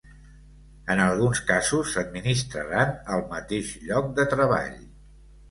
En alguns casos s’administraran al mateix lloc de treball.